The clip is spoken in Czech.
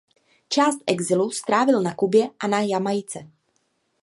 Část exilu strávil na Kubě a na Jamajce.